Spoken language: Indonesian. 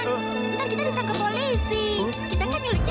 ntar kita ditangkap polisi